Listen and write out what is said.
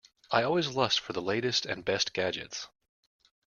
I always lust for the latest and best gadgets.